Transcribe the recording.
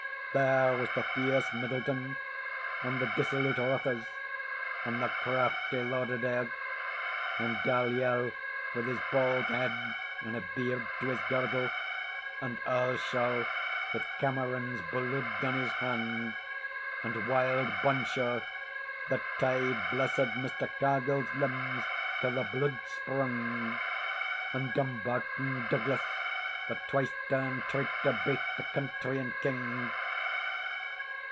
There was the fierce Middleton, and the dissolute Rothes, and the crafty Lauderdale; and Dalyell, with his bald head and a beard to his girdle; and Earlshall, with Cameron's blude on his hand; and wild Bonshaw, that tied blessed Mr. Cargill's limbs till the blude sprung; and Dumbarton Douglas, the twice turned traitor baith to country and king.